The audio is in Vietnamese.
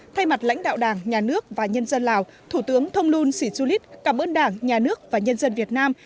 thay mặt lãnh đạo đảng nhà nước và nhân dân lào thủ tướng thông luân sĩ xu lít cảm ơn đảng nhà nước và nhân dân việt nam